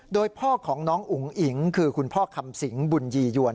โดยพ่อของน้องอุ๋งอิ๋งคือคุณพ่อคำสิงบุญยียวน